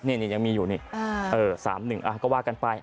นี่ยังมีอยู่นี่๓๑ก็ว่ากันไป